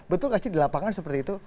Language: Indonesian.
betul nggak sih di lapangan seperti itu